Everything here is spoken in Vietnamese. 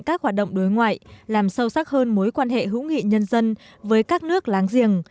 các hoạt động đối ngoại làm sâu sắc hơn mối quan hệ hữu nghị nhân dân với các nước láng giềng